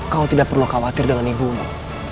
kau tidak perlu khawatir dengan ibu mu